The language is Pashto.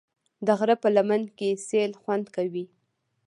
د غره په لمن کې سیل خوند کوي.